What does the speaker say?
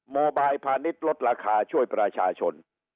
โมบายพาณิชย์ลดราคาช่วยประชาชน